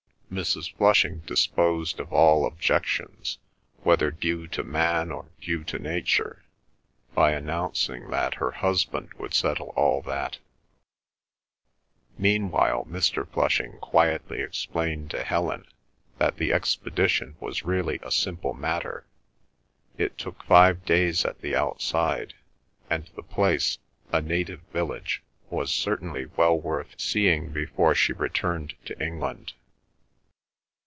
Mrs. Flushing disposed of all objections, whether due to man or due to nature, by announcing that her husband would settle all that. Meanwhile Mr. Flushing quietly explained to Helen that the expedition was really a simple matter; it took five days at the outside; and the place—a native village—was certainly well worth seeing before she returned to England.